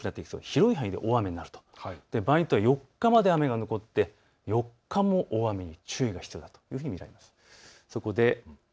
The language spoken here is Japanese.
広い範囲で大雨になると、場合によっては４日まで雨が残って、４日も大雨に注意が必要と見られます。